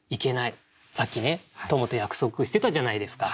さっきねトモと約束してたじゃないですか。